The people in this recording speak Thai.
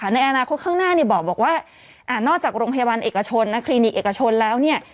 ในอนาคตข้างหน้าบอกโรงพยาบาลเอกชนและแล้วเนี่ย